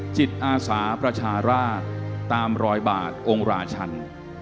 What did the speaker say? จิตอาสาประชาราชตามรอยบาทองค์ราชัน